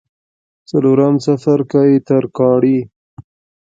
څلورم څپرکی: ترکاڼي